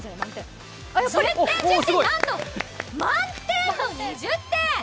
１０点、１０点なんと満点の２０点。